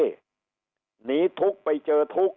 หนีทุกข์ไปเจอทุกข์